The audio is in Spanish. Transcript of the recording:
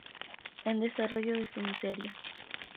En desarrollo de su miseria.